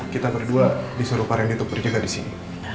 kita berdua disuruh para yang ditutup berjaga disini